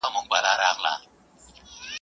خلګ خپل استازي څنګه غوره کوي؟